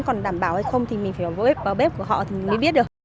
còn đảm bảo hay không thì mình phải vơi vào bếp của họ thì mới biết được